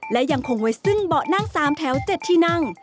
และยังคงไว้ซึ่งเบาะนั่ง๓แถว๗ที่นั่ง